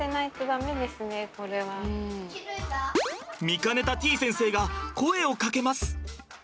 見かねたてぃ先生が声をかけます。